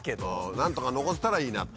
何とか残せたらいいなって。